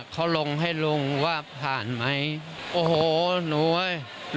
เขาลงให้ลุงว่าผ่านมั้ย